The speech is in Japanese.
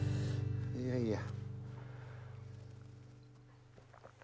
いやいや。